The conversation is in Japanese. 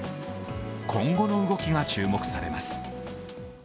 今後の動きが注目されます。